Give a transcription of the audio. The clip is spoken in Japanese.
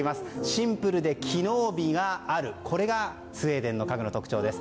シンプルで機能美があるこれがスウェーデンの家具の特徴です。